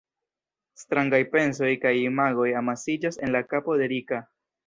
Strangaj pensoj kaj imagoj amasiĝas en la kapo de Rika.